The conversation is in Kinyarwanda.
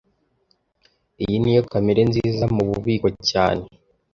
Iyi niyo kamera nziza mububiko cyane